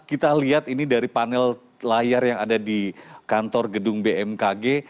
kita lihat ini dari panel layar yang ada di kantor gedung bmkg